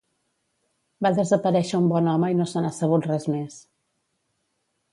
Va desaparèixer un bon home i no se n'ha sabut res més